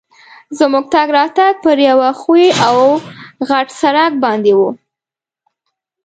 زموږ تګ راتګ پر یوه ښوي او غټ سړک باندي وو.